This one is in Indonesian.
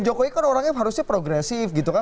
jokowi kan orangnya harusnya progresif gitu kan